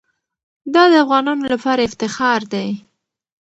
دا د افغانانو لپاره افتخار دی.